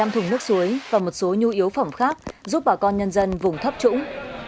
một trăm linh thùng nước suối và một số nhu yếu phẩm khác giúp bà con nhân dân vùng thấp trũng